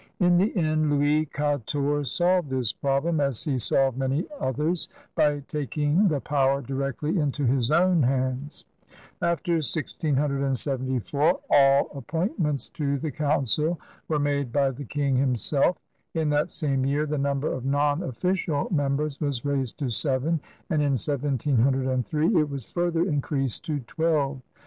In the end Louis Quatorze solved this problem^ as he solved many others, by taking the power directly into his own hands. After 1674 all appointments to the Council were made by the King himself. In that same year the number of non official members was raised to seven, and in 1703 it was further increased to twelve.'